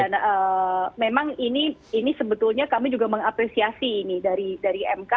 dan memang ini sebetulnya kami juga mengapresiasi ini dari mk